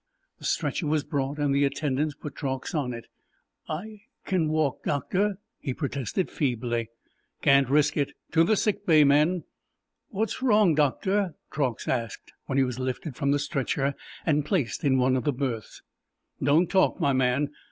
The stretcher was brought, and the attendants put Truax on it. "I can walk, Doctor," he protested feebly. "Can't risk it! To the 'sick bay,' men." "What's wrong, Doctor?" Truax asked, when he was lifted from the stretcher and placed in one of the berths. "Don't talk, my man.